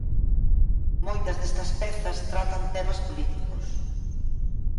Moitas destas pezas tratan temas políticos.